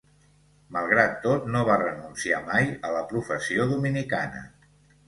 Malgrat tot, no va renunciar mai a la professió dominicana.